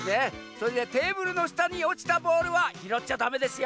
それでテーブルのしたにおちたボールはひろっちゃダメですよ。